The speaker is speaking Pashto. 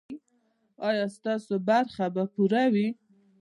ایا ستاسو برخه به پوره وي؟